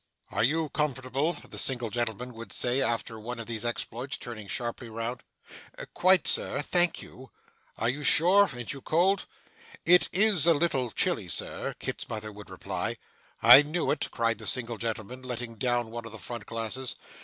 'Are you comfortable?' the single gentleman would say after one of these exploits, turning sharply round. 'Quite, Sir, thank you.' 'Are you sure? An't you cold?' 'It is a little chilly, Sir,' Kit's mother would reply. 'I knew it!' cried the single gentleman, letting down one of the front glasses.